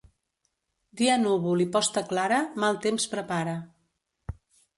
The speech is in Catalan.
Dia núvol i posta clara mal temps prepara.